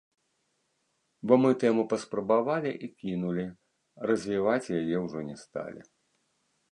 Бо мы тэму паспрабавалі, і кінулі, развіваць яе ўжо не сталі.